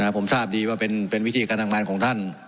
ผมทราบดีว่าเป็นวิธีการทำงานของท่าน